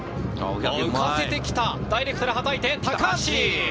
浮かせてきたダイレクトにはたいて高足。